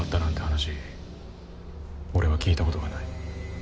話俺は聞いたことがない。